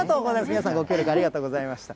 皆さん、ご協力、ありがとうございました。